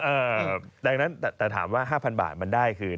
ดังนั้นแต่ถามว่า๕๐๐บาทมันได้คือ